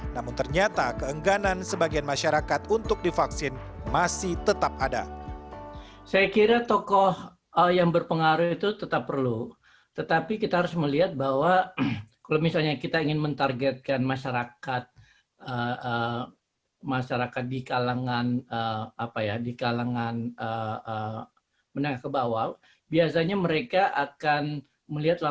namun ternyata keengganan sebagian masyarakat untuk divaksin masih tetap ada